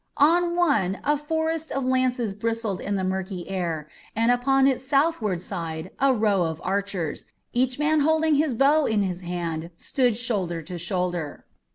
On one a forest of lances bristled in the murky air, and upon its southward side a row of archers, each man holding his bow in his hand, stood shoulder to shoulder.